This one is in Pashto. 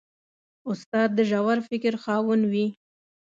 استاد د ژور فکر خاوند وي.